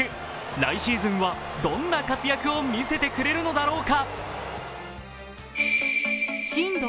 来シーズンはどんな活躍を見せてくれるのだろうか。